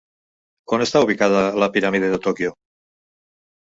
On està ubicada la Piràmide de Tòquio?